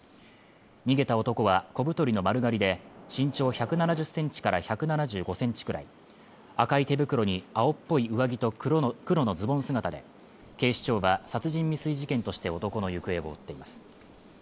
逃げた男は小太りの丸刈りで身長１７０センチから１７５センチくらい赤い手袋に青っぽい上着と黒の黒のズボン姿で警視庁は殺人未遂事件として男の行方を追っています